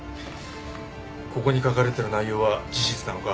ここに書かれてる内容は事実なのか？